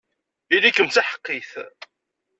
Ili-kem d taḥeqqit!